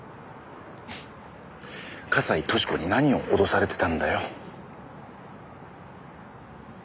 笠井俊子に何を脅されてたんだよ？